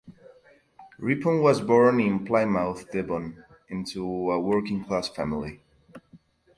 Rippon was born in Plymouth, Devon, into a working-class family.